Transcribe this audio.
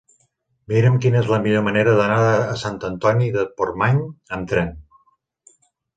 Mira'm quina és la millor manera d'anar a Sant Antoni de Portmany amb tren.